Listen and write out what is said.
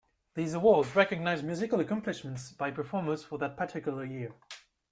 These awards recognized musical accomplishments by performers for that particular year.